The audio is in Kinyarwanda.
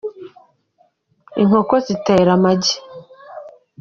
Inkoko zitera amagi.